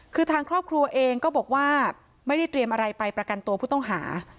คือทางครอบครัวเองก็บอกว่าไม่ได้เตรียมอะไรไปประกันตัวผู้ต้องหา